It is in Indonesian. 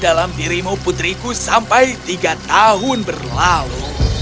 dalam dirimu putriku sampai tiga tahun berlalu